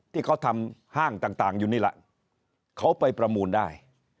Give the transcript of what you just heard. ที่เขาทำห้างต่างอยู่นี่แหละเขาไปประมูลได้